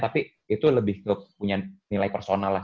tapi itu lebih punya nilai personal lah